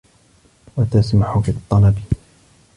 وَتَسْمَحُ فِي الطَّلَبِ